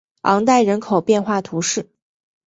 昂代人口变化图示